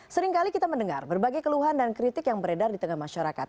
seringkali kita mendengar berbagai keluhan dan kritik yang beredar di tengah masyarakat